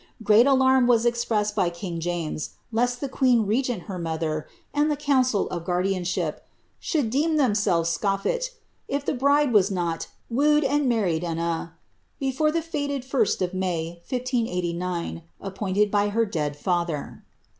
Great alarm was expressed by king James, lest the queen regent her mother, and the council of guardianship, should ^'deem them selves scoffit," if the bride was not " wooed and married and a' " before the fated 1st of May, 1589, appointed by her dead father.